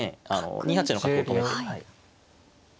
２八の角を止めてはい。